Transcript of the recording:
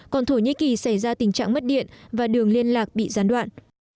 còn thổ nhĩ kỳ xảy ra tình trạng mất điện và đường liên lạc bị gián đoạn